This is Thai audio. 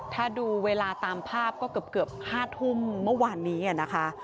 ถ้าดูเวลาตามภาพก็เกือบ๕ทุ่มเมื่อวานนี้นะคะ